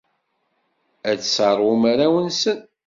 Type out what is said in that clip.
Ad sseṛwun arraw-nsen.